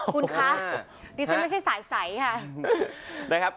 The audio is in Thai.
คุณคะดิฉันไม่ใช่สายค่ะ